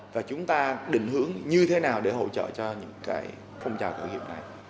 và chúng ta định hướng như thế nào để hỗ trợ cho những phong trào khởi nghiệp này